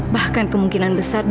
bahkan kemungkinan besar dia